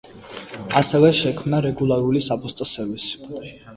ასევე, შექმნა რეგულარული საფოსტო სერვისი.